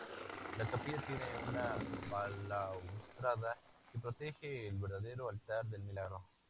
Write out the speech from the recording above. La capilla tiene una balaustrada que protege el verdadero altar del milagro.